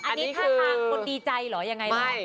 อันนี้ท่าทางคนดีใจเหรอยังไงได้